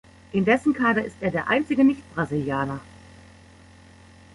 In dessen Kader ist er der einzige Nicht-Brasilianer.